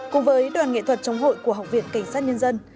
cùng với đoàn nghệ thuật chống hội của học viện cảnh sát nhân dân